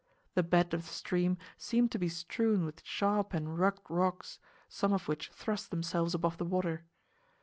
The bed of the stream seemed to be strewn with sharp and rugged rocks, some of which thrust themselves above the water.